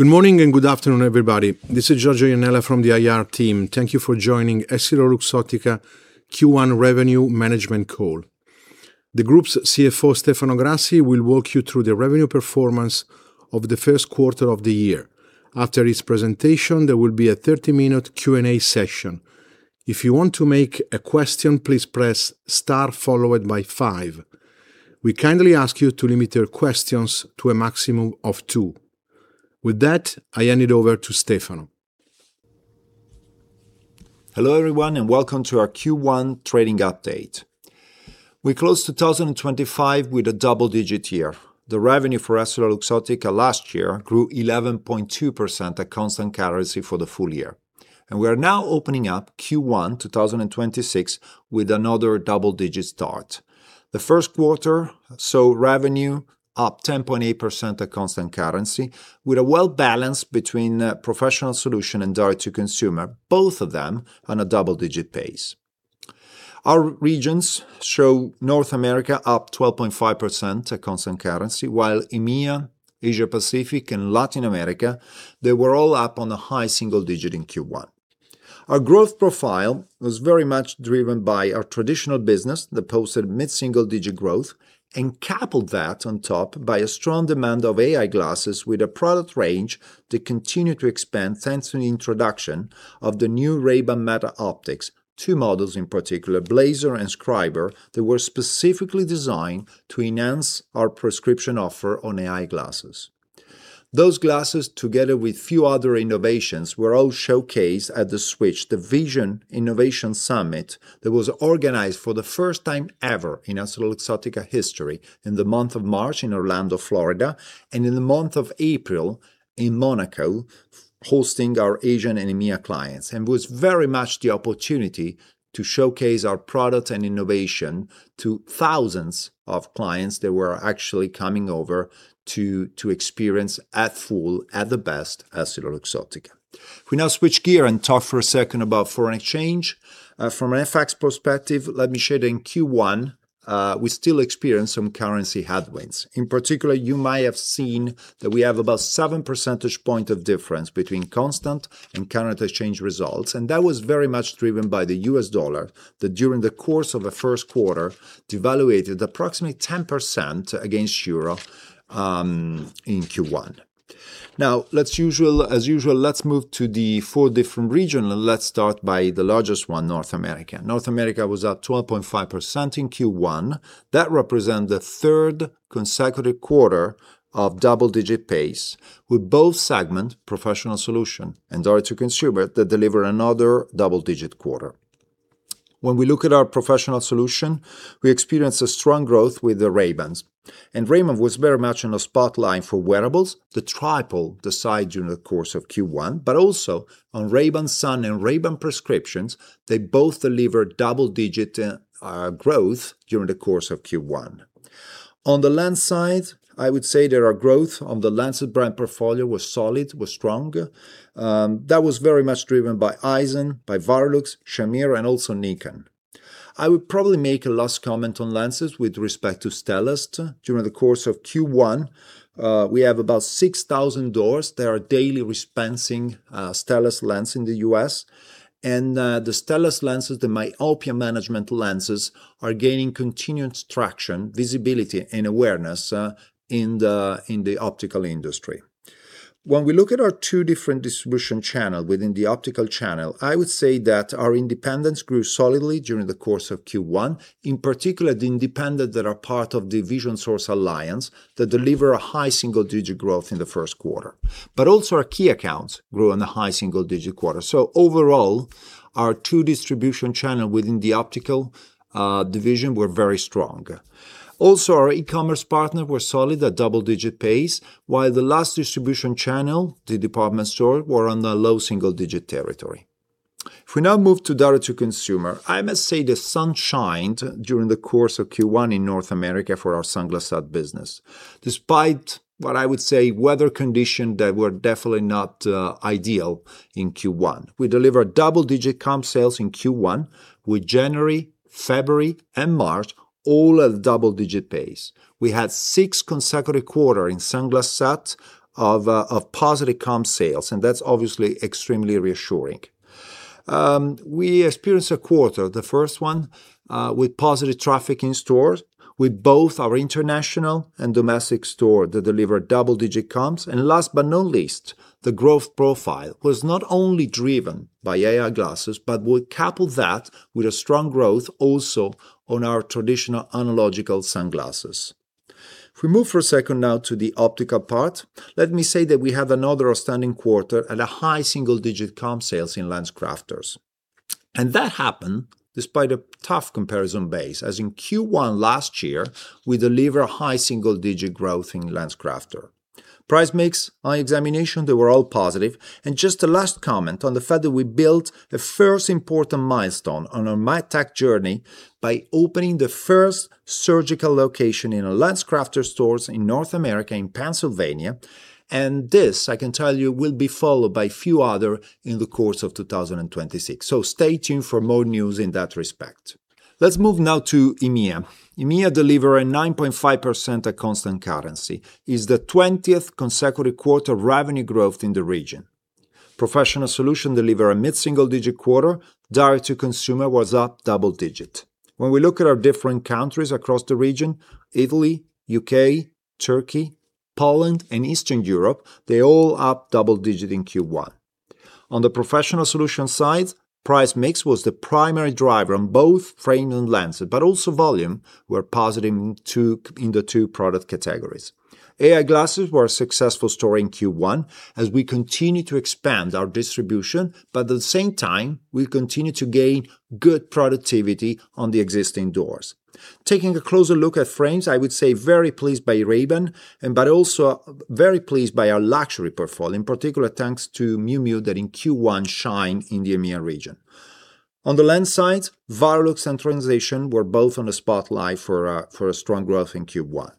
Good morning, and good afternoon, everybody. This is Giorgio Iannella from the IR team. Thank you for joining EssilorLuxottica Q1 Revenue Management Call. The group's CFO, Stefano Grassi, will walk you through the revenue performance of the first quarter of the year. After his presentation, there will be a 30-minute Q&A session. If you want to make a question, please press star followed by five. We kindly ask you to limit your questions to a maximum of two. With that, I hand it over to Stefano Grassi. Hello, everyone, and welcome to our Q1 trading update. We closed 2025 with a double-digit year. The revenue for EssilorLuxottica last year grew 11.2% at constant currency for the full year. We are now opening up Q1 2026 with another double-digit start. The first quarter saw revenue up 10.8% at constant currency, with a well balanced between Professional Solution and direct to consumer, both of them on a double-digit pace. Our regions show North America up 12.5% at constant currency while EMEA, Asia Pacific, and Latin America, they were all up in the high single digits in Q1. Our growth profile was very much driven by our traditional business that posted mid-single-digit growth and coupled that on top by a strong demand of AI glasses with a product range that continued to expand thanks to the introduction of the new Ray-Ban Meta optics, two models in particular, Blayzer and Scriber, that were specifically designed to enhance our prescription offer on AI glasses. Those glasses, together with few other innovations, were all showcased at The Switch, the Vision Innovation Summit that was organized for the first time ever in EssilorLuxottica history in the month of March in Orlando, Florida, and in the month of April in Monaco, hosting our Asian and EMEA clients. Was very much the opportunity to showcase our product and innovation to thousands of clients that were actually coming over to experience at full, at the best, EssilorLuxottica. We now switch gear and talk for a second about foreign exchange. From an FX perspective, let me share that in Q1, we still experienced some currency headwinds. In particular, you might have seen that we have about seven percentage points of difference between constant and current exchange results, and that was very much driven by the U.S. dollar, that during the course of the first quarter, devalued approximately 10% against the euro in Q1. Now, as usual, let's move to the four different regions, and let's start by the largest one, North America. North America was up 12.5% in Q1. That represents the third consecutive quarter of double-digit pace with both segments, Professional Solutions and Direct to Consumer, that deliver another double-digit quarter. When we look at our Professional Solutions, we experienced a strong growth with the Ray-Ban. Ray-Ban was very much in the spotlight for wearables, the Tribal, the Cyber during the course of Q1, but also on Ray-Ban sun and Ray-Ban prescriptions, they both delivered double-digit growth during the course of Q1. On the lens side, I would say that our growth on the lenses brand portfolio was solid, was strong. That was very much driven by Eyezen, by Varilux, Shamir, and also Nikon. I would probably make a last comment on lenses with respect to Stellest. During the course of Q1, we have about 6,000 doors that are daily dispensing Stellest lens in the U.S., and the Stellest lenses, the myopia management lenses, are gaining continued traction, visibility, and awareness in the optical industry. When we look at our two different distribution channel within the optical channel, I would say that our independents grew solidly during the course of Q1. In particular, the independents that are part of the Vision Source Alliance, that deliver a high single-digit growth in the first quarter. Also our key accounts grew on a high single-digit quarter. Overall, our two distribution channels within the optical division were very strong. Also, our e-commerce partners were solid at double-digit pace, while the last distribution channel, the department stores, were on the low single-digit territory. If we now move to direct-to-consumer, I must say the sun shined during the course of Q1 in North America for our Sunglass Hut business. Despite what I would say, weather conditions that were definitely not ideal in Q1. We delivered double-digit comp sales in Q1, with January, February, and March all at double-digit pace. We had six consecutive quarters in Sunglass Hut of positive comp sales, and that's obviously extremely reassuring. We experienced a quarter, the first one, with positive traffic in stores, with both our international and domestic stores that delivered double-digit comps. Last but not least, the growth profile was not only driven by AI glasses, but we coupled that with a strong growth also on our traditional analogical sunglasses. If we move for a second now to the optical part, let me say that we have another outstanding quarter at a high single-digit comp sales in LensCrafters. That happened despite a tough comparison base, as in Q1 last year, we deliver a high single-digit growth in LensCrafters. Price, mix, eye examination, they were all positive. Just a last comment on the fact that we built a first important milestone on our med tech journey by opening the first surgical location in a LensCrafters store in North America in Pennsylvania. This, I can tell you, will be followed by a few others in the course of 2026. Stay tuned for more news in that respect. Let's move now to EMEA. EMEA delivered a 9.5% at constant-currency. This is the 20th consecutive quarter of revenue growth in the region. Professional Solutions delivered a mid-single-digit quarter. Direct-to-consumer was up double-digit. When we look at our different countries across the region, Italy, U.K., Turkey, Poland and Eastern Europe, they were all up double-digit in Q1. On the Professional Solutions side, price/mix was the primary driver on both frames and lenses, but also volume was positive in the two product categories. AI glasses were a success story in Q1 as we continue to expand our distribution, but at the same time, we continue to gain good productivity on the existing doors. Taking a closer look at frames, I would say very pleased by Ray-Ban, but also very pleased by our luxury portfolio, in particular, thanks to Miu Miu that in Q1 shine in the EMEA region. On the lens side, Varilux and Transitions were both in the spotlight for a strong growth in Q1.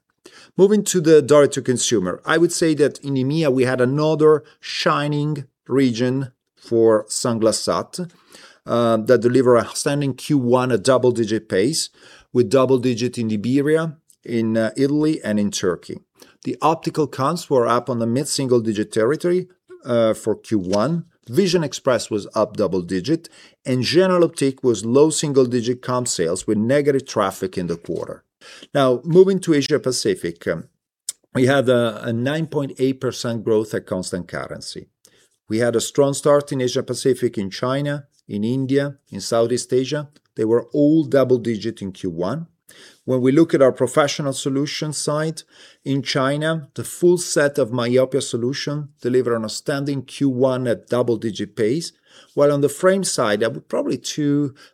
Moving to the direct to consumer, I would say that in EMEA, we had another shining region for Sunglass Hut, that deliver outstanding Q1, a double digit pace with double digit in Iberia, in Italy, and in Turkey. The optical comps were up on the mid-single digit territory for Q1. Vision Express was up double digit, and Générale d'Optique was low single digit comp sales with negative traffic in the quarter. Now moving to Asia Pacific. We had a 9.8% growth at constant currency. We had a strong start in Asia Pacific, in China, in India, in Southeast Asia. They were all double-digit in Q1. When we look at our Professional Solutions side, in China, the full set of myopia solution delivered an outstanding Q1 at double-digit pace. While on the frame side, I would probably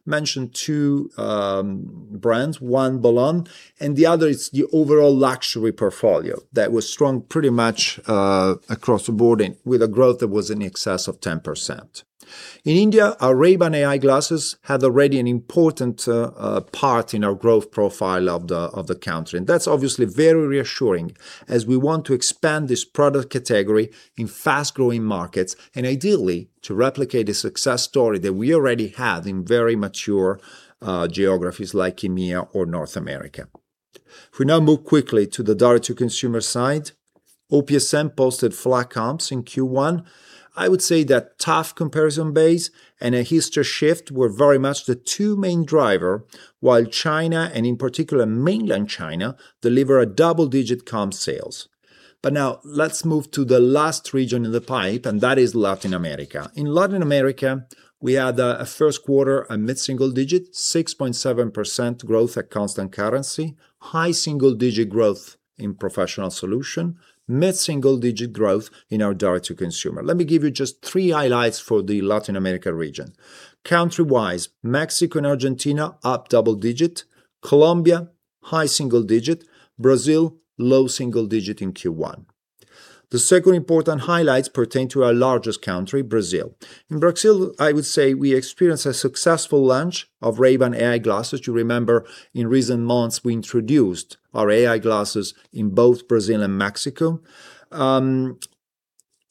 mention two brands, one Bolon and the other is the overall luxury portfolio that was strong pretty much across the board with a growth that was in excess of 10%. In India, our Ray-Ban AI glasses had already an important part in our growth profile of the country. That's obviously very reassuring as we want to expand this product category in fast-growing markets and ideally to replicate the success story that we already have in very mature geographies like EMEA or North America. If we now move quickly to the direct to consumer side, OPSM posted flat comps in Q1. I would say that tough comparison base and a holiday shift were very much the two main driver, while China, and in particular mainland China, delivered a double-digit comp sales. Now let's move to the last region in the pipe, and that is Latin America. In Latin America, we had a first quarter at mid-single-digit, 6.7% growth at constant currency, high single-digit growth in Professional Solution, mid-single-digit growth in our direct to consumer. Let me give you just three highlights for the Latin America region. Country-wise, Mexico and Argentina up double-digit, Colombia high single-digit, Brazil low single-digit in Q1. The second important highlights pertain to our largest country, Brazil. In Brazil, I would say we experienced a successful launch of Ray-Ban AI glasses. You remember in recent months, we introduced our AI glasses in both Brazil and Mexico.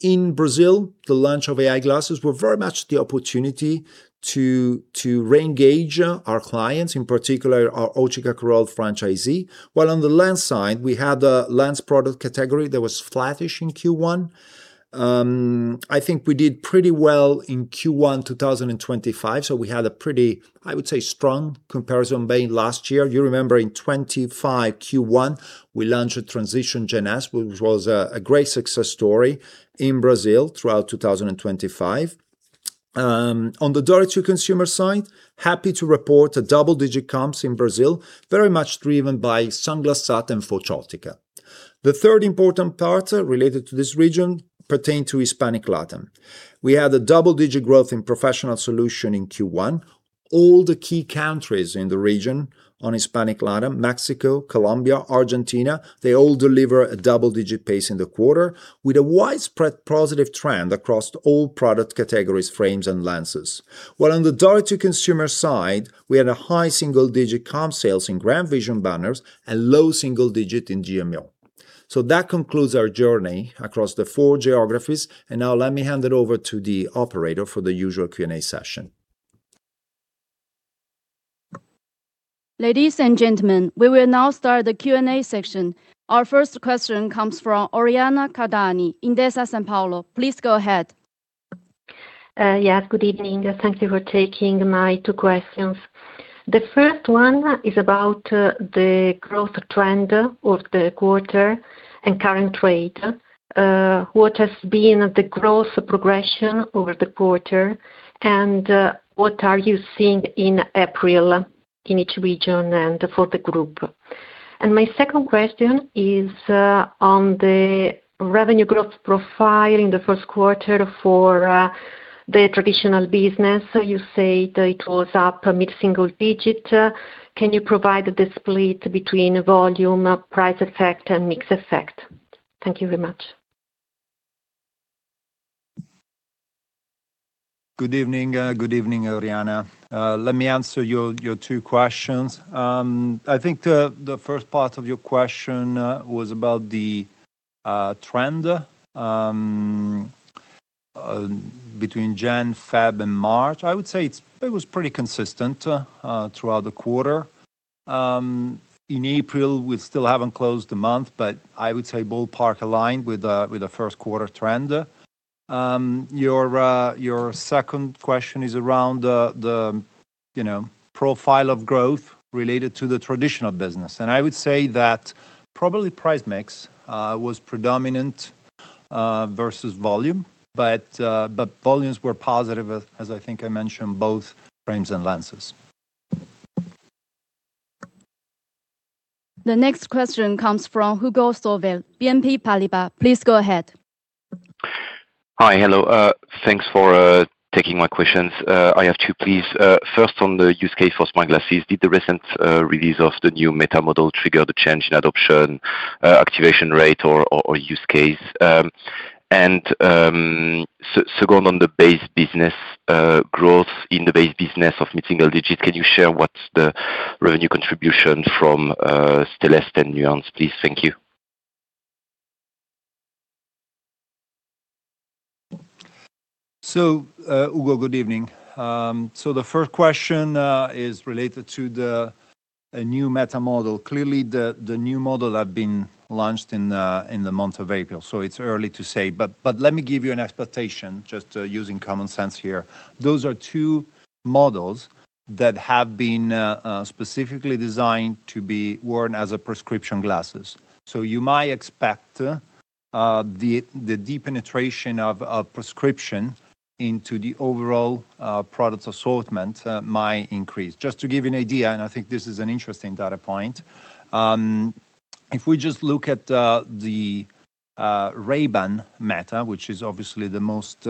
In Brazil, the launch of AI glasses were very much the opportunity to re-engage our clients, in particular our Óticas Carol franchisee, while on the lens side, we had a lens product category that was flattish in Q1. I think we did pretty well in Q1 2025, so we had a pretty, I would say, strong comparison being last year. You remember in 2025 Q1, we launched a Transitions GEN S, which was a great success story in Brazil throughout 2025. On the direct-to-consumer side, happy to report a double-digit comps in Brazil, very much driven by Sunglass Hut and Fototica. The third important part related to this region pertained to Hispanic LATAM. We had a double-digit growth in Professional Solution in Q1. All the key countries in the region on Hispanic LATAM, Mexico, Colombia, Argentina, they all deliver a double-digit pace in the quarter with a widespread positive trend across all product categories, frames, and lenses. While on the direct to consumer side, we had a high single-digit comp sales in GrandVision banners and low single-digit in GMO. That concludes our journey across the four geographies. Now let me hand it over to the operator for the usual Q&A session. Ladies and gentlemen, we will now start the Q&A section. Our first question comes from Oriana Cardani in Intesa Sanpaolo. Please go ahead. Yes. Good evening. Thank you for taking my two questions. The first one is about the growth trend of the quarter and current trade. What has been the growth progression over the quarter, and what are you seeing in April in each region and for the group? My second question is, on the revenue growth profile in the first quarter for the traditional business, you say that it was up mid-single digit. Can you provide the split between volume, price effect, and mix effect? Thank you very much. Good evening. Good evening, Oriana. Let me answer your two questions. I think the first part of your question was about the trend. Between January, February, and March, I would say it was pretty consistent throughout the quarter. In April, we still haven't closed the month, but I would say ballpark aligned with the first quarter trend. Your second question is around the profile of growth related to the traditional business, and I would say that probably price mix was predominant versus volume, but volumes were positive as I think I mentioned, both frames and lenses. The next question comes from Hugo Solvet, Exane BNP Paribas. Please go ahead. Hi. Hello. Thanks for taking my questions. I have two, please. First, on the use case for smart glasses, did the recent release of the new Meta model trigger the change in adoption, activation rate, or use case? Second, on the base business, growth in the base business of mid-single digits, can you share what's the revenue contribution from Stellest and Nuance Audio, please? Thank you. Hugo, good evening. The first question is related to the new Meta model. Clearly, the new model have been launched in the month of April, so it's early to say, but let me give you an expectation just using common sense here. Those are two models that have been specifically designed to be worn as a prescription glasses. You might expect the deep penetration of prescription into the overall product assortment might increase. Just to give you an idea, and I think this is an interesting data point, if we just look at the Ray-Ban Meta, which is obviously the most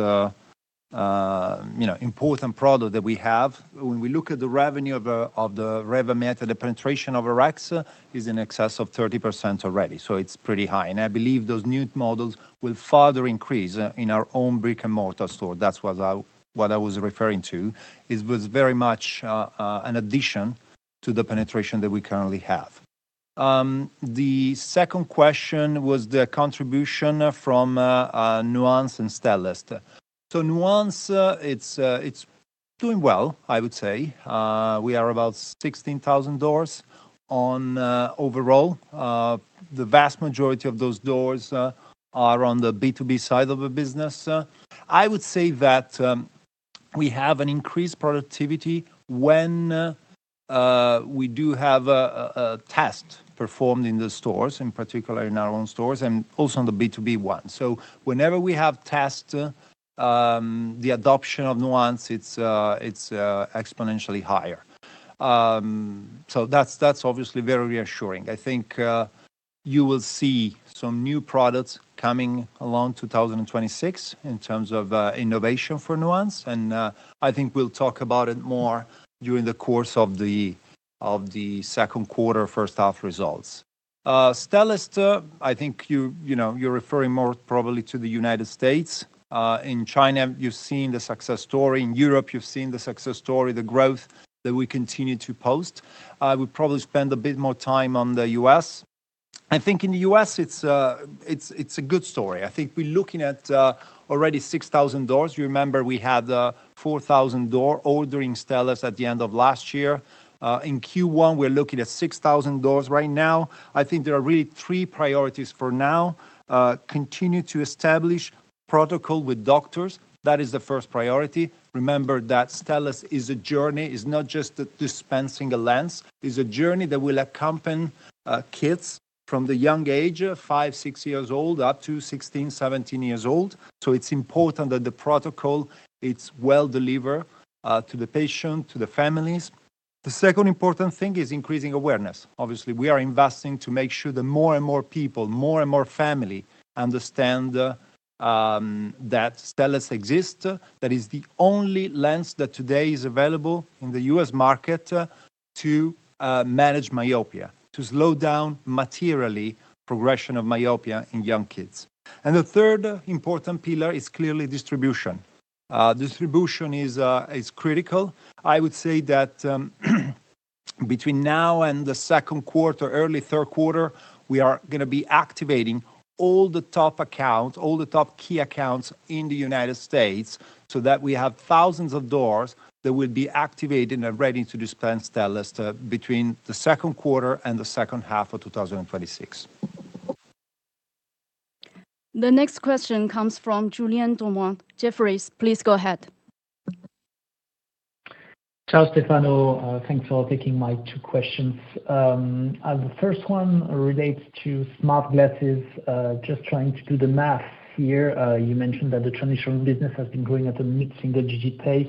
important product that we have, when we look at the revenue of the Ray-Ban Meta, the penetration of Rx is in excess of 30% already, so it's pretty high. I believe those new models will further increase in our own brick-and-mortar store. That's what I was referring to. It was very much an addition to the penetration that we currently have. The second question was the contribution from Nuance Audio and Stellest. Nuance Audio, it's doing well, I would say. We are about 16,000 doors on overall. The vast majority of those doors are on the B2B side of the business. I would say that we have an increased productivity when we do have a test performed in the stores, in particular in our own stores, and also on the B2B one. Whenever we have tests, the adoption of Nuance Audio, it's exponentially higher. That's obviously very reassuring. I think you will see some new products coming along 2026 in terms of innovation for Nuance Audio, and I think we'll talk about it more during the course of the second quarter, first half results. Stellest, I think you're referring more probably to the United States. In China, you've seen the success story. In Europe, you've seen the success story, the growth that we continue to post. I would probably spend a bit more time on the U.S. I think in the U.S., it's a good story. I think we're looking at already 6,000 doors. You remember we had 4,000 doors ordering Stellest at the end of last year. In Q1, we're looking at 6,000 doors right now. I think there are really three priorities for now. Continue to establish protocol with doctors. That is the first priority. Remember that Stellest is a journey. It's not just dispensing a lens. It's a journey that will accompany kids from the young age of five, six years old, up to 16, 17 years old. It's important that the protocol, it's well delivered to the patient, to the families. The second important thing is increasing awareness. Obviously, we are investing to make sure that more and more people, more and more family understand that Stellest exists. That is the only lens that today is available in the U.S. market to manage myopia, to slow down materially progression of myopia in young kids. The third important pillar is clearly distribution. Distribution is critical. I would say that between now and the second quarter, early third quarter, we are going to be activating all the top accounts, all the top key accounts in the United States so that we have thousands of doors that will be activated and ready to dispense Stellest between the second quarter and the second half of 2026. The next question comes from Julien Dormois, Jefferies. Please go ahead. Ciao, Stefano. Thanks for taking my two questions. The first one relates to smart glasses. Just trying to do the math here. You mentioned that the traditional business has been growing at a mid-single digit pace,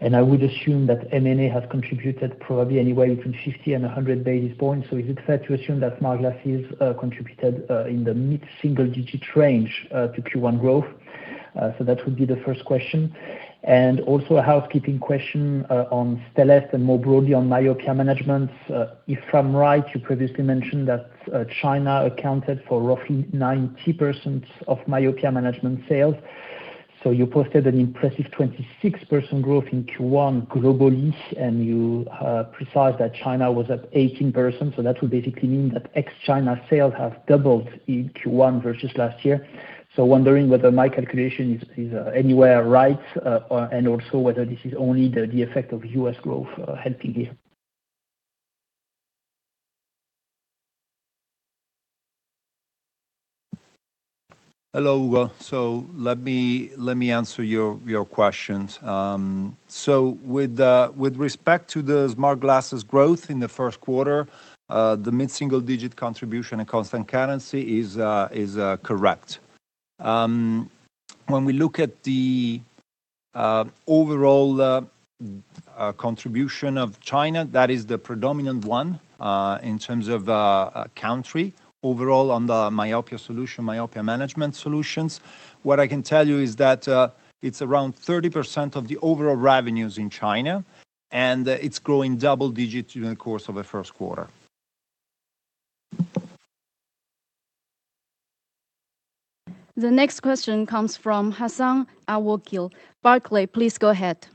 and I would assume that M&A has contributed probably anywhere between 50 and 100 basis points. Is it fair to assume that smart glasses contributed in the mid-single digit range to Q1 growth? That would be the first question. Also a housekeeping question on Stellest and more broadly on myopia management. If I'm right, you previously mentioned that China accounted for roughly 90% of myopia management sales. You posted an impressive 26% growth in Q1 globally, and you specified that China was at 18%. That would basically mean that ex-China sales have doubled in Q1 versus last year. Wondering whether my calculation is anywhere right, and also whether this is only the effect of U.S. growth helping here. Hello. Let me answer your questions. With respect to the smart glasses growth in the first quarter, the mid-single-digit contribution and constant currency is correct. When we look at the overall contribution of China, that is the predominant one in terms of country overall on the myopia management solutions. What I can tell you is that it's around 30% of the overall revenues in China, and it's growing double digits during the course of the first quarter. The next question comes from Hassan Al-Wakeel, Barclays. Please go ahead.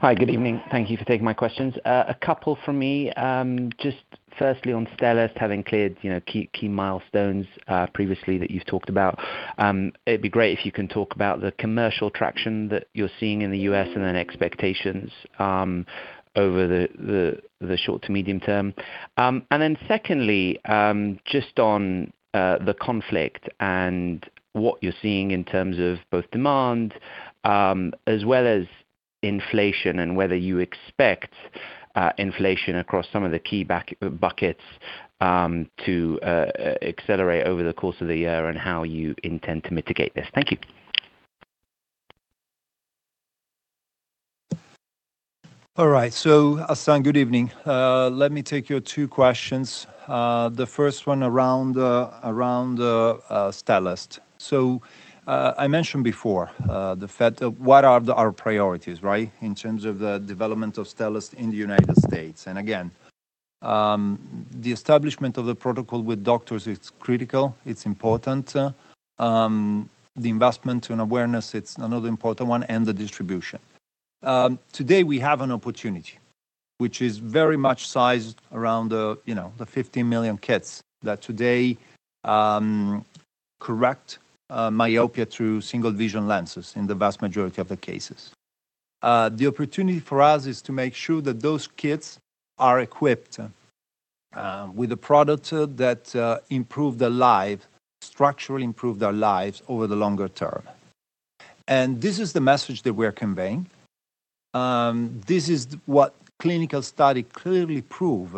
Hi, good evening. Thank you for taking my questions. A couple from me. Just firstly, on Stellest having cleared key milestones previously that you've talked about, it'd be great if you can talk about the commercial traction that you're seeing in the U.S. and then expectations over the short to medium term. Secondly, just on the conflict and what you're seeing in terms of both demand as well as inflation, and whether you expect inflation across some of the key buckets to accelerate over the course of the year, and how you intend to mitigate this. Thank you. All right. Hassan, good evening. Let me take your two questions. The first one around Stellest. I mentioned before what are our priorities, right, in terms of the development of Stellest in the United States. Again, the establishment of the protocol with doctors, it's critical, it's important. The investment and awareness, it's another important one, and the distribution. Today we have an opportunity, which is very much sized around the 15 million kids that today correct myopia through single vision lenses in the vast majority of the cases. The opportunity for us is to make sure that those kids are equipped with a product that structurally improve their lives over the longer term. This is the message that we're conveying. This is what clinical study clearly prove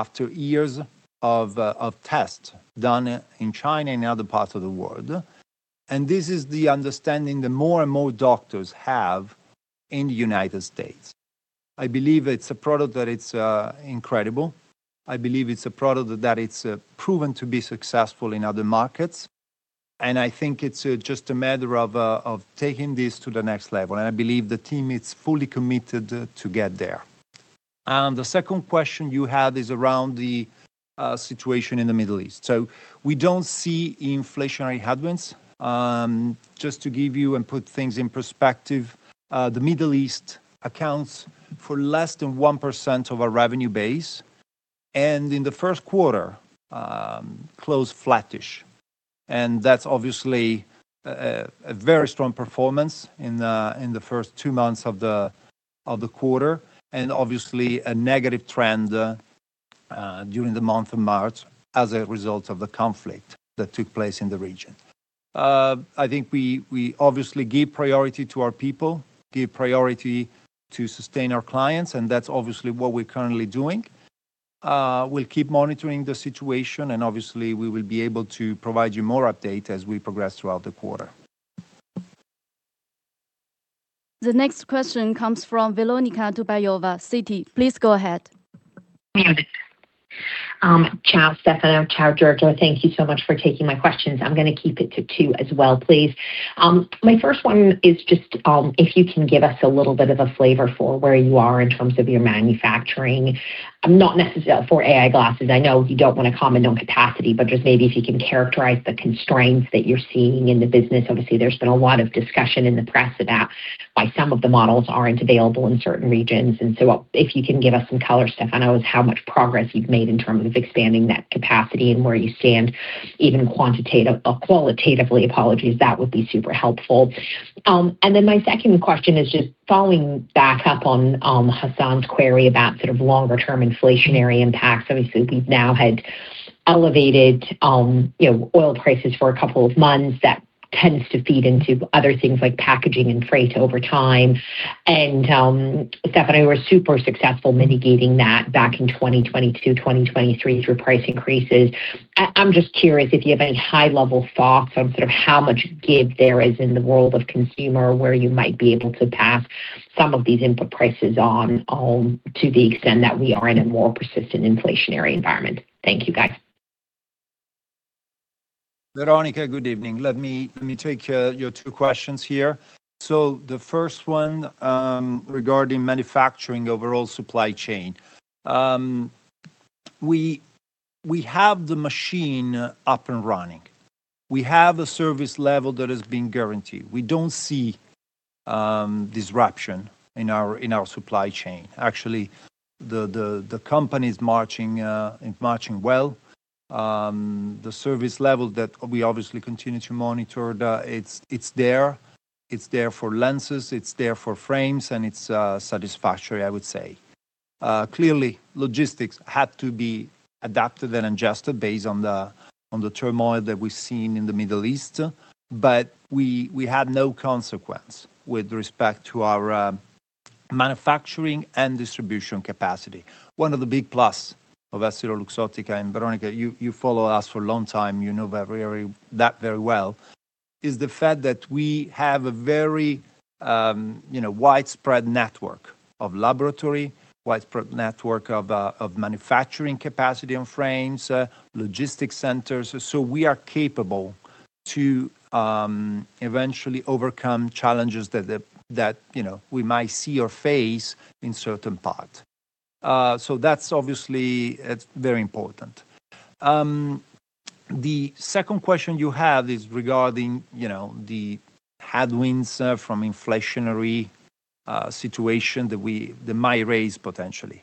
after years of tests done in China and other parts of the world. This is the understanding that more and more doctors have in the United States. I believe it's a product that it's incredible. I believe it's a product that it's proven to be successful in other markets, and I think it's just a matter of taking this to the next level, and I believe the team is fully committed to get there. The second question you had is around the situation in the Middle East. We don't see inflationary headwinds. Just to give you and put things in perspective, the Middle East accounts for less than 1% of our revenue base, and in the first quarter closed flattish. That's obviously a very strong performance in the first two months of the quarter, and obviously a negative trend during the month of March as a result of the conflict that took place in the region. I think we obviously give priority to our people, give priority to sustain our clients, and that's obviously what we're currently doing. We'll keep monitoring the situation, and obviously we will be able to provide you more update as we progress throughout the quarter. The next question comes from Veronika Dubajova, Citi. Please go ahead. Ciao, Stefano. Ciao, Giorgio. Thank you so much for taking my questions. I'm going to keep it to two as well, please. My first one is just if you can give us a little bit of a flavor for where you are in terms of your manufacturing, not necessarily for AI glasses. I know you don't want to comment on capacity, but just maybe if you can characterize the constraints that you're seeing in the business. Obviously, there's been a lot of discussion in the press about why some of the models aren't available in certain regions. If you can give us some color, Stefano, how much progress you've made in terms of expanding that capacity and where you stand, even qualitatively, that would be super helpful. My second question is just following back up on Hassan's query about sort of longer term inflationary impacts. Obviously, we've now had elevated oil prices for a couple of months. That tends to feed into other things like packaging and freight over time. Stefano, you were super successful mitigating that back in 2022, 2023 through price increases. I'm just curious if you have any high level thoughts on sort of how much give there is in the world of consumer, where you might be able to pass some of these input prices on to the extent that we are in a more persistent inflationary environment. Thank you, guys. Veronika, good evening. Let me take your two questions here. The first one regarding manufacturing, overall supply chain. We have the machine up and running. We have a service level that has been guaranteed. We don't see disruption in our supply chain. Actually, the company's marching well. The service level that we obviously continue to monitor, it's there. It's there for lenses, it's there for frames, and it's satisfactory, I would say. Clearly, logistics had to be adapted and adjusted based on the turmoil that we've seen in the Middle East. But we had no consequence with respect to our manufacturing and distribution capacity. One of the big plus of EssilorLuxottica, and Veronika, you follow us for a long time, you know that very well, is the fact that we have a very widespread network of laboratory, widespread network of manufacturing capacity and frames, logistics centers. We are capable to eventually overcome challenges that we might see or face in certain parts. That's obviously very important. The second question you have is regarding the headwinds from inflationary situation that might arise potentially.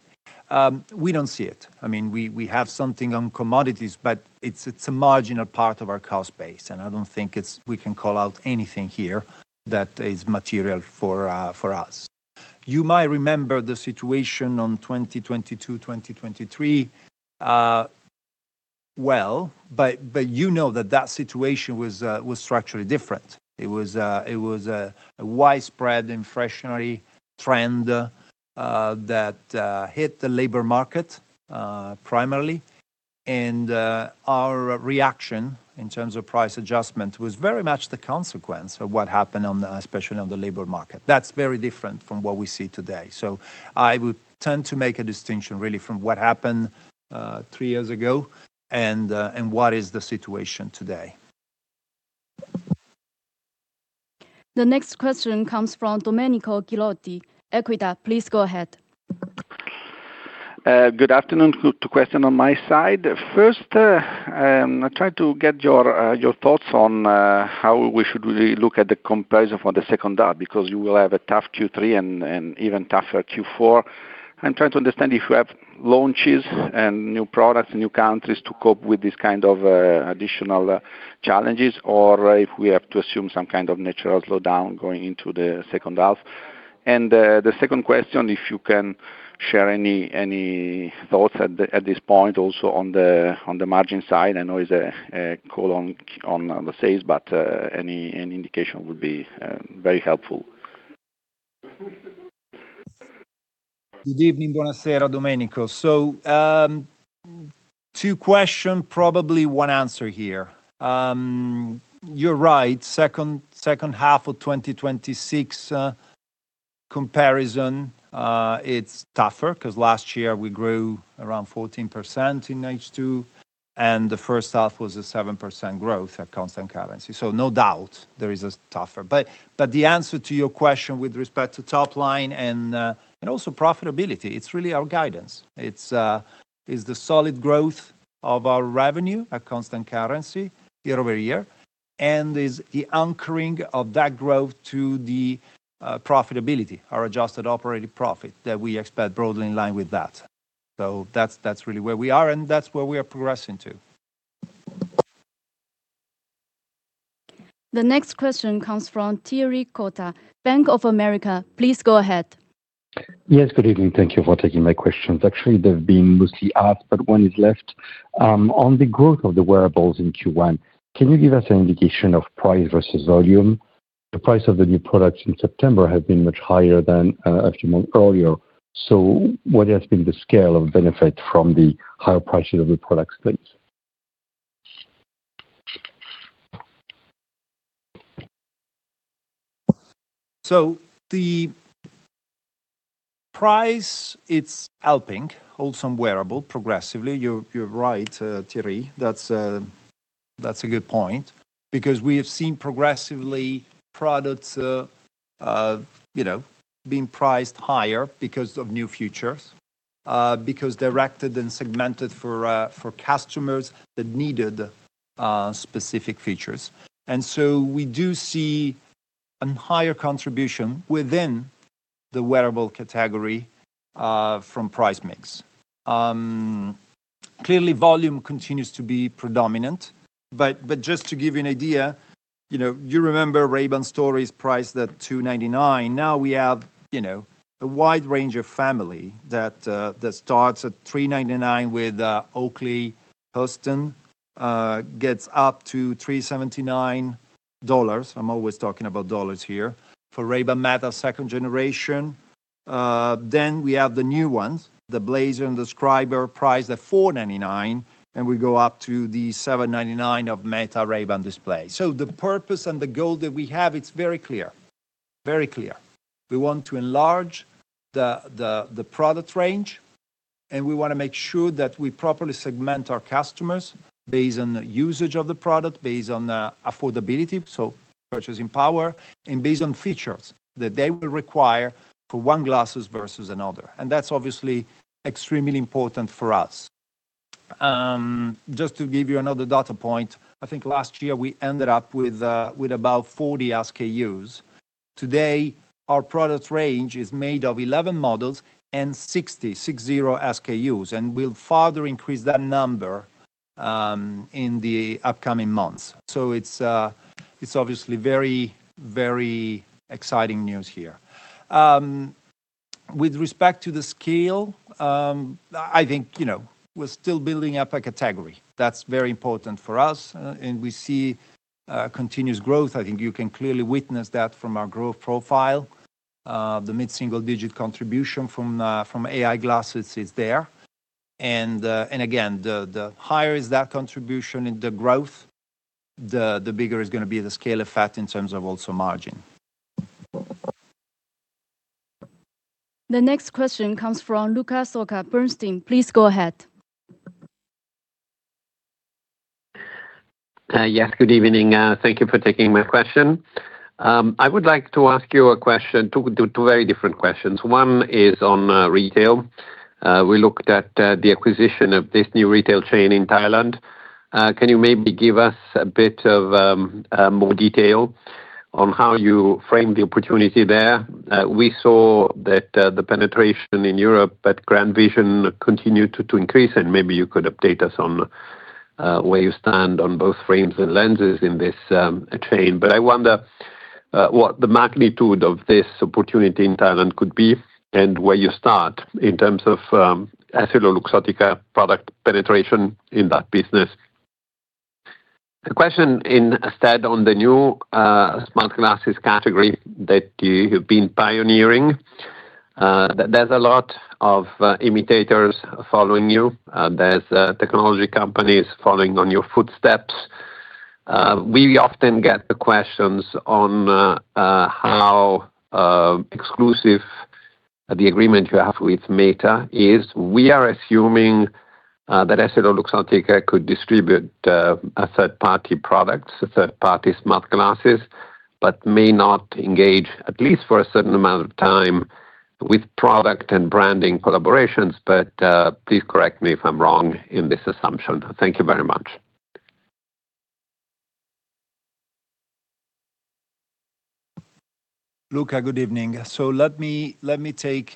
We don't see it. We have something on commodities, but it's a marginal part of our cost base, and I don't think we can call out anything here that is material for us. You might remember the situation in 2022, 2023 well, but you know that that situation was structurally different. It was a widespread inflationary trend that hit the labor market primarily, and our reaction in terms of price adjustment was very much the consequence of what happened especially in the labor market. That's very different from what we see today. I would tend to make a distinction really from what happened three years ago and what is the situation today. The next question comes from Domenico Ghilotti, Equita. Please go ahead. Good afternoon. Two questions on my side. First, I'm trying to get your thoughts on how we should really look at the comparison for the second half, because you will have a tough Q3 and even tougher Q4. I'm trying to understand if you have launches and new products, new countries to cope with this kind of additional challenges or if we have to assume some kind of natural slowdown going into the second half. The second question, if you can share any thoughts at this point also on the margin side. I know it's a call on the sales, but any indication would be very helpful. Good evening. Buonasera! Domenico. Two question, probably one answer here. You're right, second half of 2026 comparison, it's tougher because last year we grew around 14% in H2, and the first half was a 7% growth at constant currency. No doubt there is a tougher. The answer to your question with respect to top line and also profitability, it's really our guidance. It's the solid growth of our revenue at constant currency year-over-year, and is the anchoring of that growth to the profitability, our adjusted operating profit that we expect broadly in line with that. That's really where we are, and that's where we are progressing to. The next question comes from Thierry Cotter, Bank of America. Please go ahead. Yes, good evening. Thank you for taking my questions. Actually, they've been mostly asked, but one is left. On the growth of the wearables in Q1, can you give us an indication of price versus volume? The price of the new products in September has been much higher than a few months earlier. What has been the scale of benefit from the higher pricing of the products please? The price, it's helping wholesale wearable progressively. You're right, Thierry. That's a good point, because we have seen progressively products being priced higher because of new features, because they're targeted and segmented for customers that needed specific features. We do see a higher contribution within the wearable category from price mix. Clearly, volume continues to be predominant. Just to give you an idea, you remember Ray-Ban Stories priced at $299, now we have a wide range of family that starts at $399 with Oakley Meta, gets up to $379, I'm always talking about dollars here, for Ray-Ban Meta second generation. Then we have the new ones, the Blayzer and the Scriber, priced at $499, and we go up to the $799 of Ray-Ban Meta Display. The purpose and the goal that we have, it's very clear. We want to enlarge the product range, and we want to make sure that we properly segment our customers based on usage of the product, based on affordability, so purchasing power, and based on features that they will require for one glasses versus another. That's obviously extremely important for us. Just to give you another data point, I think last year we ended up with about 40 SKUs. Today, our product range is made of 11 models and 60 SKUs, and we'll further increase that number in the upcoming months. It's obviously very exciting news here. With respect to the scale, I think we're still building up a category. That's very important for us, and we see continuous growth. I think you can clearly witness that from our growth profile. The mid-single-digit contribution from AI glasses is there. Again, the higher is that contribution in the growth, the bigger is going to be the scale effect in terms of also margin. The next question comes from Luca Solca, Bernstein. Please go ahead. Yes. Good evening. Thank you for taking my question. I would like to ask you two very different questions. One is on retail. We looked at the acquisition of this new retail chain in Thailand. Can you maybe give us a bit of more detail on how you frame the opportunity there? We saw that the penetration in Europe at GrandVision continued to increase, and maybe you could update us on where you stand on both frames and lenses in this chain. I wonder what the magnitude of this opportunity in Thailand could be, and where you start in terms of EssilorLuxottica product penetration in that business. The question instead on the new smart glasses category that you have been pioneering, there's a lot of imitators following you. There's technology companies following on your footsteps. We often get the questions on how exclusive the agreement you have with Meta is. We are assuming that EssilorLuxottica could distribute a third-party product, third-party smart glasses, but may not engage, at least for a certain amount of time, with product and branding collaborations. Please correct me if I'm wrong in this assumption. Thank you very much. Luca, good evening. Let me take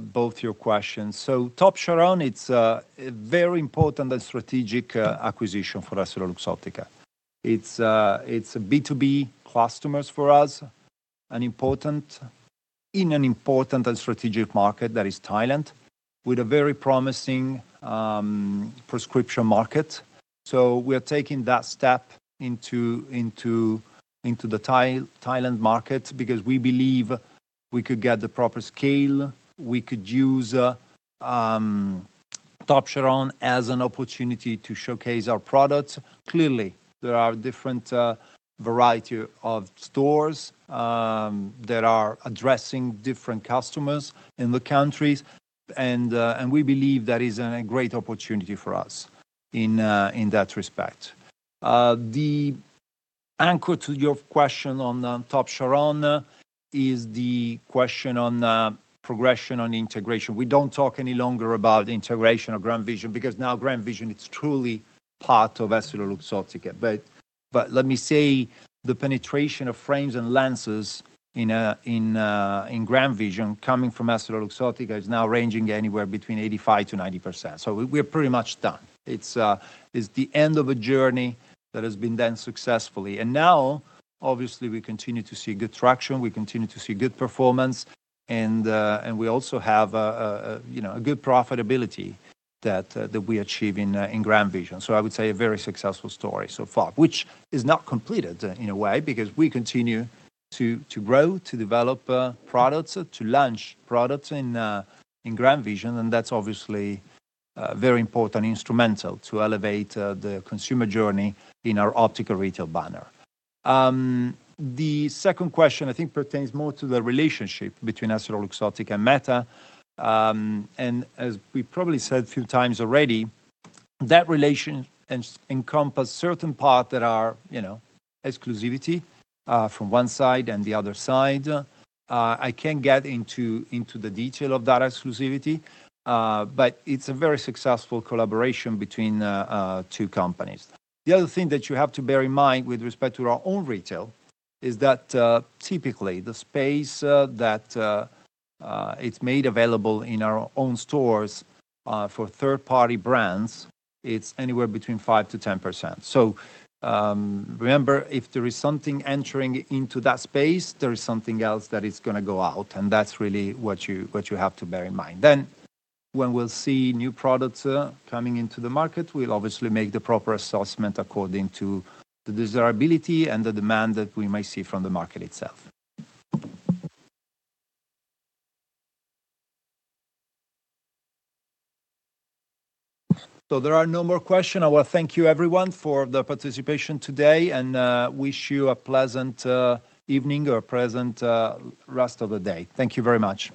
both your questions. Top Charoen, it's a very important and strategic acquisition for EssilorLuxottica. It's B2B customers for us, in an important and strategic market that is Thailand, with a very promising prescription market. We are taking that step into the Thailand market because we believe we could get the proper scale. We could use Top Charoen as an opportunity to showcase our products. Clearly, there are different variety of stores that are addressing different customers in the countries, and we believe that is a great opportunity for us in that respect. The answer to your question on Top Charoen is the question on progress on integration. We don't talk any longer about integration of GrandVision, because now GrandVision, it's truly part of EssilorLuxottica. Let me say, the penetration of frames and lenses in GrandVision coming from EssilorLuxottica is now ranging anywhere between 85%-90%. We're pretty much done. It's the end of a journey that has been done successfully. Now, obviously, we continue to see good traction, we continue to see good performance, and we also have a good profitability that we achieve in GrandVision. I would say a very successful story so far, which is not completed in a way, because we continue to grow, to develop products, to launch products in GrandVision, and that's obviously very important, instrumental to elevate the consumer journey in our optical retail banner. The second question, I think, pertains more to the relationship between EssilorLuxottica and Meta. As we probably said a few times already, that relation encompass certain parts that are exclusivity from one side and the other side. I can't get into the detail of that exclusivity, but it's a very successful collaboration between two companies. The other thing that you have to bear in mind with respect to our own retail is that typically the space that it's made available in our own stores for third-party brands, it's anywhere between 5%-10%. Remember, if there is something entering into that space, there is something else that is going to go out, and that's really what you have to bear in mind. When we'll see new products coming into the market, we'll obviously make the proper assessment according to the desirability and the demand that we might see from the market itself. There are no more question. I want to thank you everyone for the participation today, and wish you a pleasant evening or a pleasant rest of the day. Thank you very much.